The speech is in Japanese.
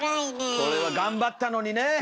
これは頑張ったのにねえ！